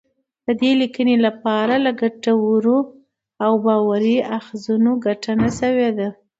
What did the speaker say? د دې لیکنی لپاره له ګټورو او باوري اخځونو ګټنه شوې ده